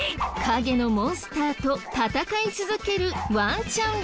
影のモンスターと戦い続けるワンちゃんでした。